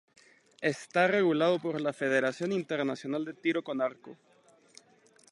Está regulado por la Federación Internacional de Tiro con Arco.